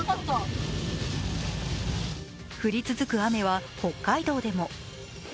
降り続く雨は、北海道でも。